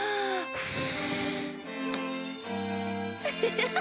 ハハハハ！